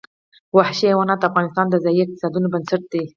وحشي حیوانات د افغانستان د ځایي اقتصادونو بنسټ دی.